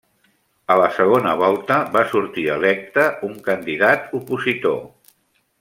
A la segona volta va sortir electe un candidat opositor.